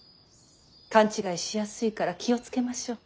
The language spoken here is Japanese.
勘違いしやすいから気を付けましょう。